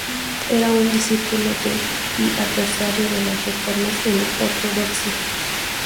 Era un discípulo de y adversario de las reformas en la ortodoxia.